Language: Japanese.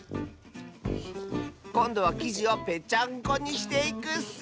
こんどはきじをぺちゃんこにしていくッス！